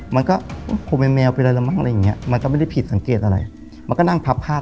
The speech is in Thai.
มันก็ไม่ได้ผิดสังเกตอะไรมันก็นั่งพับผ้าต่อ